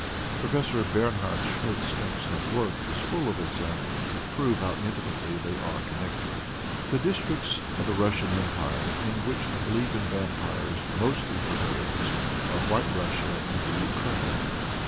Prof. Bernhard Schmidt's excellent work is full of examples which prove how intimately they are connected. The districts of the Russian Empire in which a belief in vampires mostly prevails are White Russia and the Ukraine.